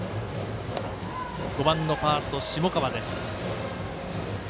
５番のファースト下川です。